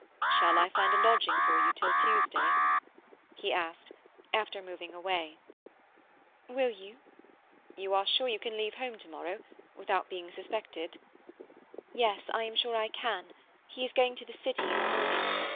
"Shall I find a lodging for you till Tuesday?" he asked, after moving away and returning. "Will you?" "You are sure you can leave home to morrow—without being suspected?" "Yes, I am sure I can. He is going to the City in the morning.